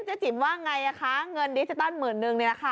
ว่าอย่างไรละคะเงินดิจิตอล๑๐๐๐๐นึงนี่ละค่ะ